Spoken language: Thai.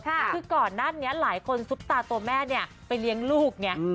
คือก่อนหน้านี้หลายคนซุปตาตัวแม่เนี่ยไปเลี้ยงลูกไง